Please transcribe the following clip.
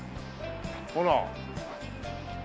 ほら。